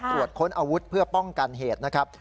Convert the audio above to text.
ตรวจค้นอาวุธเพื่อป้องกันเหตุนะครับ